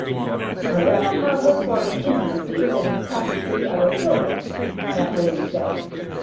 "I will not have her forming intimacies and talking to the other children," that lady said.